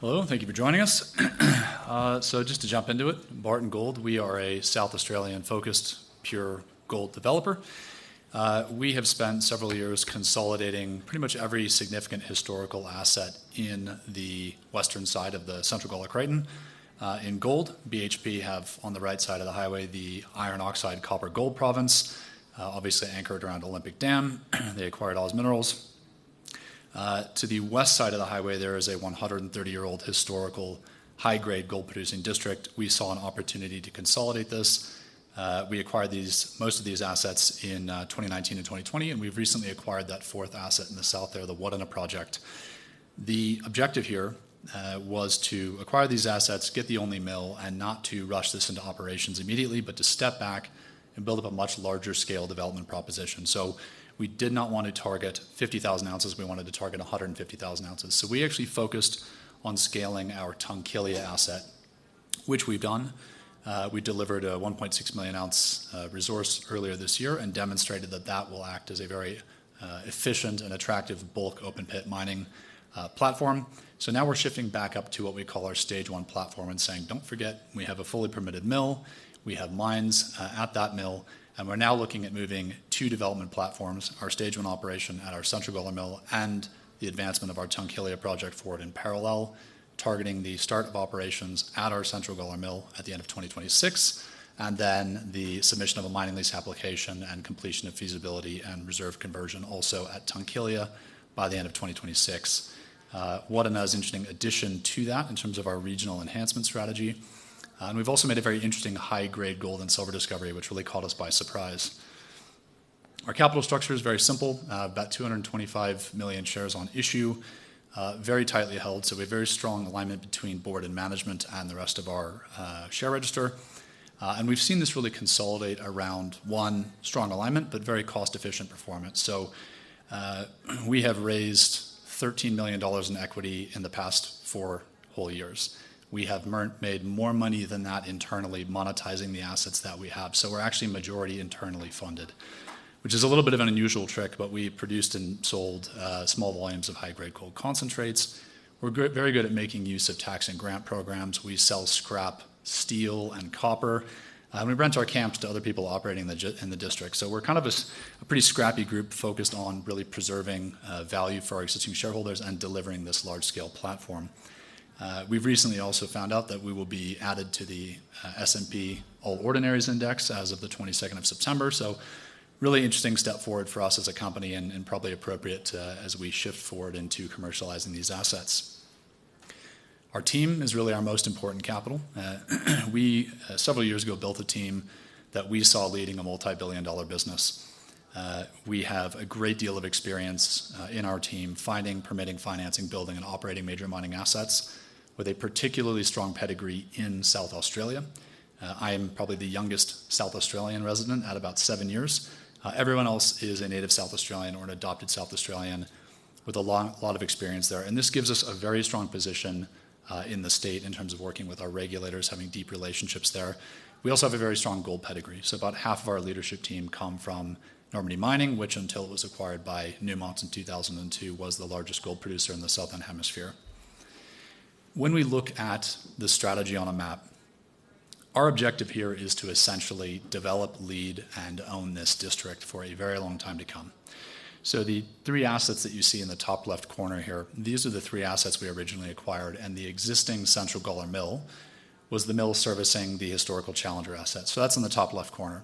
Hello, and thank you for joining us. So just to jump into it, Barton Gold, we are a South Australian-focused pure gold developer. We have spent several years consolidating pretty much every significant historical asset in the western side of the Central Gawler Craton in gold. BHP have on the right side of the highway the iron oxide copper gold province, obviously anchored around Olympic Dam. They acquired all those minerals. To the west side of the highway, there is a 130-year-old historical high-grade gold-producing district. We saw an opportunity to consolidate this. We acquired most of these assets in 2019 and 2020, and we've recently acquired that fourth asset in the south there, the Wudinna Project. The objective here was to acquire these assets, get the only mill, and not to rush this into operations immediately, but to step back and build up a much larger scale development proposition. So we did not want to target 50,000 ounces. We wanted to target 150,000 ounces. So we actually focused on scaling our Tunkillia asset, which we've done. We delivered a 1.6 million ounce resource earlier this year and demonstrated that that will act as a very efficient and attractive bulk open-pit mining platform. So now we're shifting back up to what we call our stage one platform and saying, "Don't forget, we have a fully permitted mill, we have mines at that mill," and we're now looking at moving two development platforms, our stage one operation at our Central Gawler Mill and the advancement of our Tunkillia Project for it in parallel, targeting the start of operations at our Central Gawler Mill at the end of 2026, and then the submission of a mining lease application and completion of feasibility and reserve conversion also at Tunkillia by the end of 2026. Wudinna is an interesting addition to that in terms of our regional enhancement strategy. And we've also made a very interesting high-grade gold and silver discovery, which really caught us by surprise. Our capital structure is very simple, about 225 million shares on issue, very tightly held, so we have very strong alignment between board and management and the rest of our share register, and we've seen this really consolidate around, one, strong alignment, but very cost-efficient performance, so we have raised 13 million dollars in equity in the past four whole years. We have made more money than that internally monetizing the assets that we have, so we're actually majority internally funded, which is a little bit of an unusual trick, but we produced and sold small volumes of high-grade gold concentrates. We're very good at making use of tax and grant programs. We sell scrap steel and copper, and we rent our camps to other people operating in the district. So we're kind of a pretty scrappy group focused on really preserving value for our existing shareholders and delivering this large-scale platform. We've recently also found out that we will be added to the S&P/ASX All Ordinaries Index as of the 22nd of September. So really interesting step forward for us as a company and probably appropriate as we shift forward into commercializing these assets. Our team is really our most important capital. We, several years ago, built a team that we saw leading a multi-billion-dollar business. We have a great deal of experience in our team finding, permitting, financing, building, and operating major mining assets with a particularly strong pedigree in South Australia. I am probably the youngest South Australian resident at about seven years. Everyone else is a native South Australian or an adopted South Australian with a lot of experience there. This gives us a very strong position in the state in terms of working with our regulators, having deep relationships there. We also have a very strong gold pedigree. So about half of our leadership team come from Normandy Mining, which until it was acquired by Newmont in 2002 was the largest gold producer in the southern hemisphere. When we look at the strategy on a map, our objective here is to essentially develop, lead, and own this district for a very long time to come. So the three assets that you see in the top left corner here, these are the three assets we originally acquired, and the existing Central Gawler Mill was the mill servicing the historical Challenger assets. So that's in the top left corner.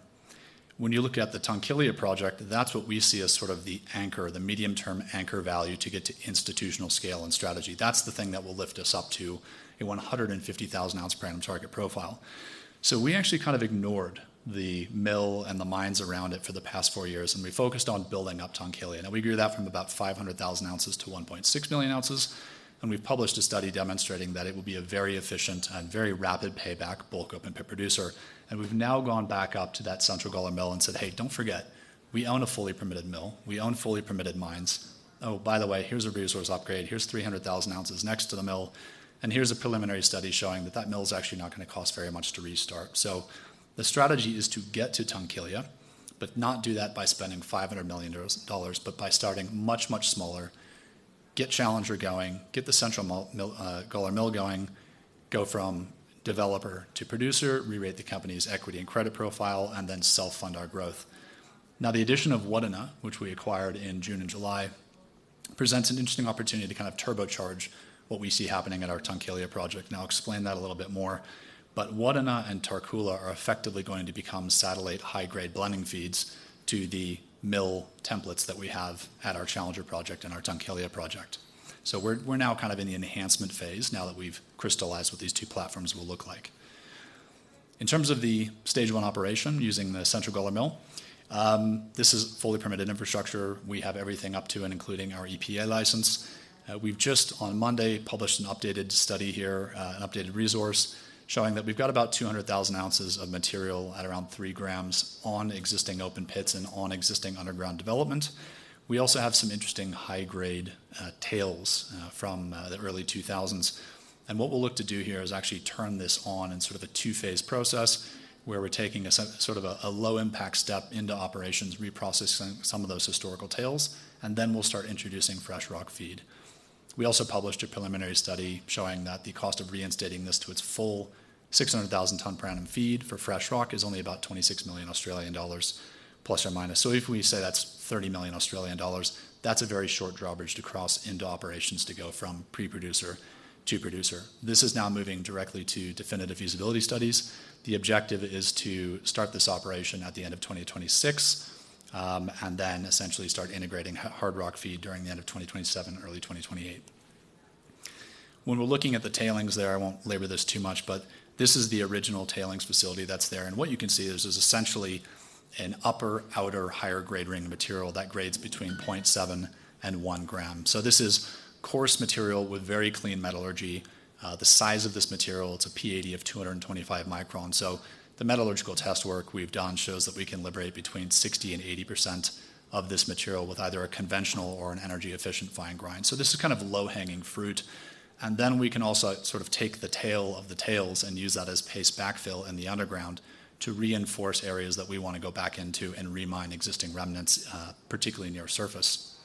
When you look at the Tunkillia Project, that's what we see as sort of the anchor, the medium-term anchor value to get to institutional scale and strategy. That's the thing that will lift us up to a 150,000 ounce per annum target profile. So we actually kind of ignored the mill and the mines around it for the past four years, and we focused on building up Tunkillia. Now we grew that from about 500,000 ounces to 1.6 million ounces, and we've published a study demonstrating that it will be a very efficient and very rapid payback bulk open-pit producer. And we've now gone back up to that Central Gawler Mill and said, "Hey, don't forget, we own a fully permitted mill, we own fully permitted mines. Oh, by the way, here's a resource upgrade, here's 300,000 ounces next to the mill, and here's a preliminary study showing that that mill is actually not going to cost very much to restart." So the strategy is to get to Tunkillia, but not do that by spending 500 million dollars, but by starting much, much smaller, get Challenger going, get the Central Gawler Mill going, go from developer to producer, re-rate the company's equity and credit profile, and then self-fund our growth. Now the addition of Wudinna, which we acquired in June and July, presents an interesting opportunity to kind of turbocharge what we see happening at our Tunkillia Project. And I'll explain that a little bit more, but Wudinna and Tarcoola are effectively going to become satellite high-grade blending feeds to the mill templates that we have at our Challenger Project and our Tunkillia Project. We're now kind of in the enhancement phase now that we've crystallized what these two platforms will look like. In terms of the stage one operation using the Central Gawler Mill, this is fully permitted infrastructure. We have everything up to and including our EPA license. We've just on Monday published an updated study here, an updated resource showing that we've got about 200,000 ounces of material at around three grams on existing open pits and on existing underground development. We also have some interesting high-grade tails from the early 2000s. What we'll look to do here is actually turn this on in sort of a two-phase process where we're taking sort of a low-impact step into operations, reprocessing some of those historical tails, and then we'll start introducing fresh rock feed. We also published a preliminary study showing that the cost of reinstating this to its full 600,000 ton per annum feed for fresh rock is only about 26 million Australian dollars plus or minus, so if we say that's 30 million Australian dollars, that's a very short drawbridge to cross into operations to go from pre-producer to producer. This is now moving directly to definitive feasibility studies. The objective is to start this operation at the end of 2026 and then essentially start integrating hard rock feed during the end of 2027, early 2028. When we're looking at the tailings there, I won't labor this too much, but this is the original tailings facility that's there, and what you can see is essentially an upper outer higher grade ring material that grades between 0.7 and 1 gram, so this is coarse material with very clean metallurgy. The size of this material, it's a P80 of 225 microns. So the metallurgical test work we've done shows that we can liberate between 60% and 80% of this material with either a conventional or an energy-efficient fine grind. So this is kind of low-hanging fruit. And then we can also sort of take the tail of the tails and use that as paste backfill in the underground to reinforce areas that we want to go back into and remine existing remnants, particularly near surface.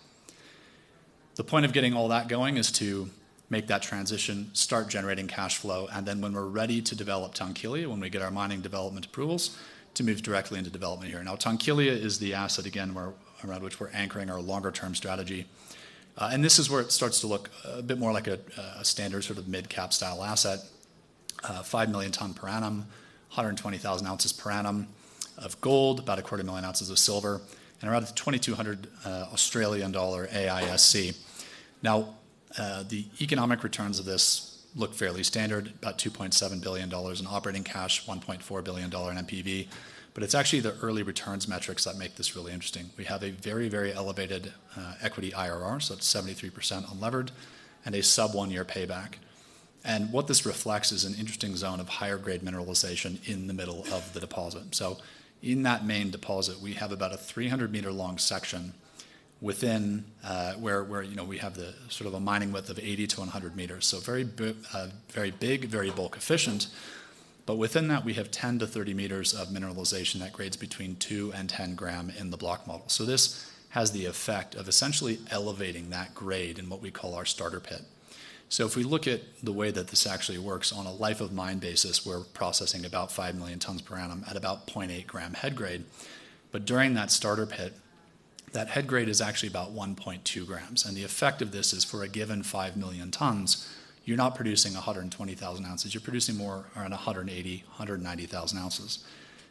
The point of getting all that going is to make that transition, start generating cash flow, and then when we're ready to develop Tunkillia, when we get our mining development approvals, to move directly into development here. Now Tunkillia is the asset, again, around which we're anchoring our longer-term strategy. And this is where it starts to look a bit more like a standard sort of mid-cap style asset, 5 million ton per annum, 120,000 ounces per annum of gold, about a quarter million ounces of silver, and around 2,200 Australian dollar AISC. Now the economic returns of this look fairly standard, about 2.7 billion dollars in operating cash, 1.4 billion dollar in NPV, but it's actually the early returns metrics that make this really interesting. We have a very, very elevated equity IRR, so it's 73% unlevered, and a sub-one-year payback. And what this reflects is an interesting zone of higher-grade mineralization in the middle of the deposit. So in that main deposit, we have about a 300-meter-long section within where we have sort of a mining width of 80-100 meters. Very big, very bulk efficient, but within that, we have 10-30 meters of mineralization that grades between 2 and 10 grams in the block model. This has the effect of essentially elevating that grade in what we call our starter pit. If we look at the way that this actually works on a life-of-mine basis, we're processing about 5 million tons per annum at about 0.8 grams head grade. But during that starter pit, that head grade is actually about 1.2 grams. The effect of this is for a given 5 million tons, you're not producing 120,000 ounces, you're producing more around 180,000, 190,000 ounces.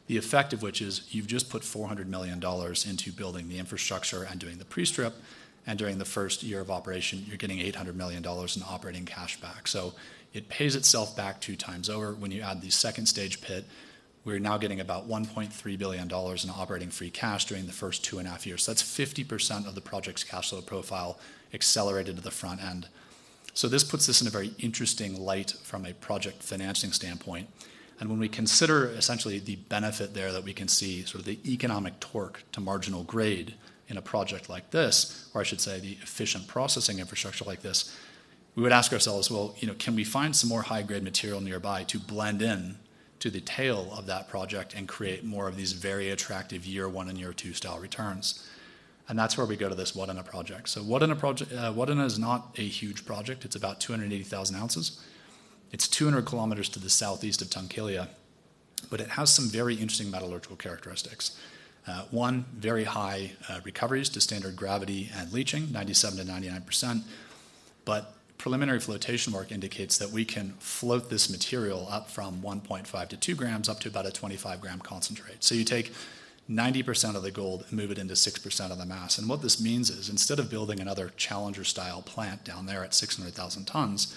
The effect of which is you've just put 400 million dollars into building the infrastructure and doing the pre-strip, and during the first year of operation, you're getting 800 million dollars in operating cash back. It pays itself back two times over. When you add the second stage pit, we're now getting about 1.3 billion dollars in operating free cash during the first two and a half years. That's 50% of the project's cash flow profile accelerated to the front end. This puts this in a very interesting light from a project financing standpoint. When we consider essentially the benefit there that we can see, sort of the economic torque to marginal grade in a project like this, or I should say the efficient processing infrastructure like this, we would ask ourselves, well, can we find some more high-grade material nearby to blend into the tail of that project and create more of these very attractive year one and year two style returns? That's where we go to this Wudinna Project. Wudinna is not a huge project. It's about 280,000 ounces. It's 200 km to the southeast of Tunkillia, but it has some very interesting metallurgical characteristics. One, very high recoveries to standard gravity and leaching, 97%-99%, but preliminary flotation work indicates that we can float this material up from 1.5-2 grams up to about a 25-gram concentrate. So you take 90% of the gold and move it into 6% of the mass. And what this means is instead of building another Challenger-style plant down there at 600,000 tons,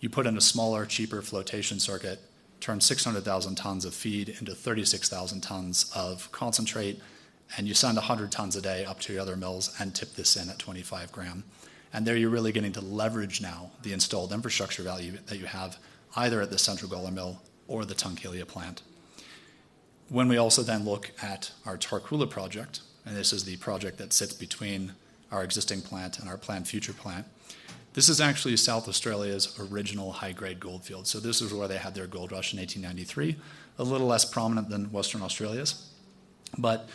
you put in a smaller, cheaper flotation circuit, turn 600,000 tons of feed into 36,000 tons of concentrate, and you send 100 tons a day up to your other mills and tip this in at 25-gram. And there you're really getting to leverage now the installed infrastructure value that you have either at the Central Gawler Mill or the Tunkillia plant. When we also then look at our Tarcoola Project, and this is the project that sits between our existing plant and our planned future plant, this is actually South Australia's original high-grade gold field, so this is where they had their gold rush in 1893, a little less prominent than Western Australia's, but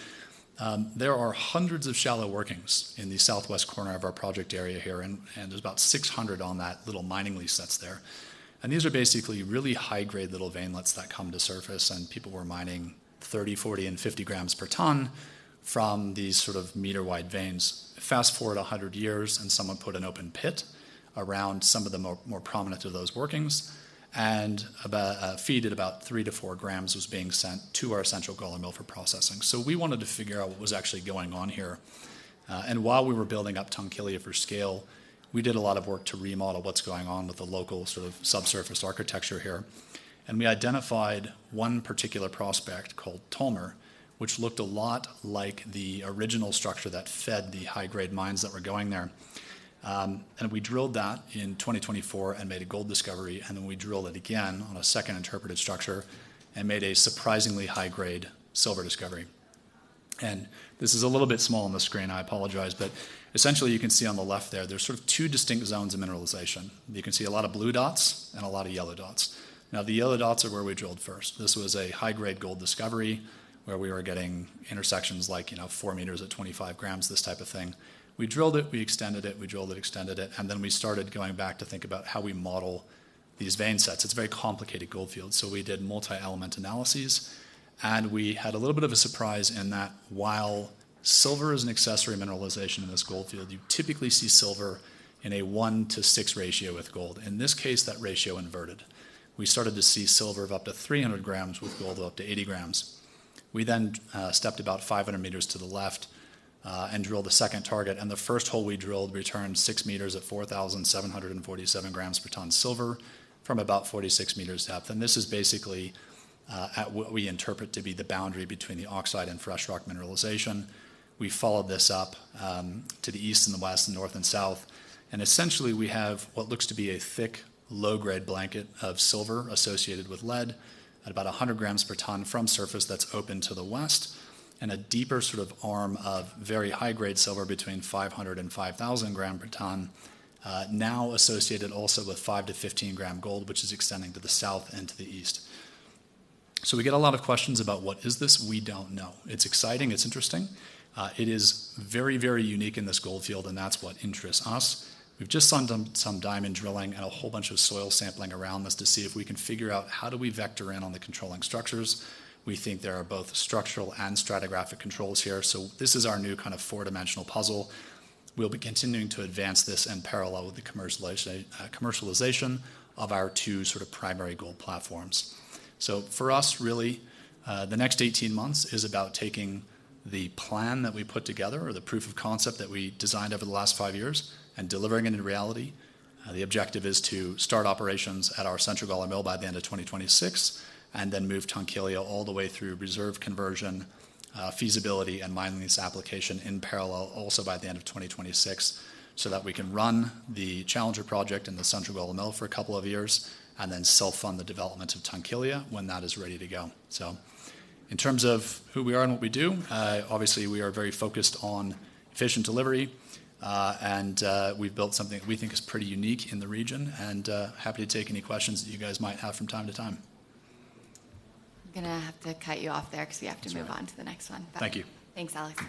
there are hundreds of shallow workings in the southwest corner of our project area here, and there's about 600 on that little mining lease that's there, and these are basically really high-grade little veinlets that come to surface, and people were mining 30, 40, and 50 grams per ton from these sort of meter-wide veins. Fast forward 100 years, and someone put an open pit around some of the more prominent of those workings, and feed at about 3-4 grams was being sent to our Central Gawler Mill for processing. We wanted to figure out what was actually going on here. While we were building up Tunkillia for scale, we did a lot of work to remodel what's going on with the local sort of subsurface architecture here. We identified one particular prospect called Tolmer, which looked a lot like the original structure that fed the high-grade mines that were going there. We drilled that in 2024 and made a gold discovery, and then we drilled it again on a second interpreted structure and made a surprisingly high-grade silver discovery. This is a little bit small on the screen, I apologize, but essentially you can see on the left there, there's sort of two distinct zones of mineralization. You can see a lot of blue dots and a lot of yellow dots. Now the yellow dots are where we drilled first. This was a high-grade gold discovery where we were getting intersections like 4 meters at 25 grams, this type of thing. We drilled it, we extended it, we drilled it, extended it, and then we started going back to think about how we model these vein sets. It's a very complicated gold field. So we did multi-element analyses, and we had a little bit of a surprise in that while silver is an accessory mineralization in this gold field, you typically see silver in a 1 to 6 ratio with gold. In this case, that ratio inverted. We started to see silver of up to 300 grams with gold of up to 80 grams. We then stepped about 500 meters to the left and drilled the second target, and the first hole we drilled returned 6 meters at 4,747 grams per ton silver from about 46 meters depth. And this is basically at what we interpret to be the boundary between the oxide and fresh rock mineralization. We followed this up to the east and the west and north and south, and essentially we have what looks to be a thick low-grade blanket of silver associated with lead at about 100 grams per ton from surface that's open to the west, and a deeper sort of arm of very high-grade silver between 500-5,000 grams per ton, now associated also with five to 15 grams gold, which is extending to the south and to the east. So we get a lot of questions about what is this. We don't know. It's exciting. It's interesting. It is very, very unique in this gold field, and that's what interests us. We've just done some diamond drilling and a whole bunch of soil sampling around this to see if we can figure out how do we vector in on the controlling structures. We think there are both structural and stratigraphic controls here. So this is our new kind of four-dimensional puzzle. We'll be continuing to advance this in parallel with the commercialization of our two sort of primary gold platforms. So for us, really, the next 18 months is about taking the plan that we put together or the proof of concept that we designed over the last five years and delivering it in reality. The objective is to start operations at our Central Gawler Mill by the end of 2026 and then move Tunkillia all the way through reserve conversion, feasibility, and mining lease application in parallel also by the end of 2026 so that we can run the Challenger Project and the Central Gawler Mill for a couple of years and then self-fund the development of Tunkillia when that is ready to go. So in terms of who we are and what we do, obviously we are very focused on efficient delivery, and we've built something that we think is pretty unique in the region, and happy to take any questions that you guys might have from time to time. I'm going to have to cut you off there because we have to move on to the next one. Thank you. Thanks, Alex.